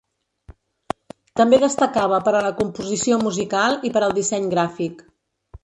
També destacava per a la composició musical i per al disseny gràfic.